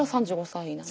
３５歳で。